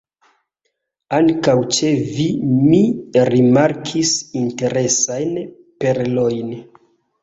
Ankaŭ ĉe vi mi rimarkis interesajn ‘perlojn’.